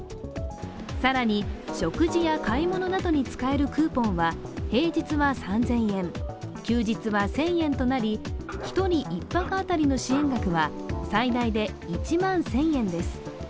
更に、食事や買い物などに使えるクーポンは平日は３０００円、休日は１０００円となり１人１泊当たりの支援額は最大で１万１０００円です。